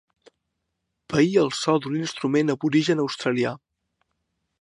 Paí el so d'un instrument aborigen australià.